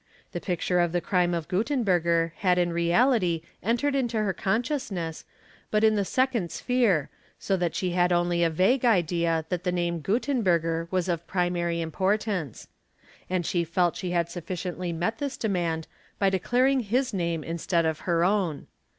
The picture of the crime o Guttenberger had in reality entered into her consciousness but in th second sphere, so that she had only a vague idea that the name G t tenberger was of primary importance ; and she felt she had sufficient: met this demand by declaring his name instead of her own.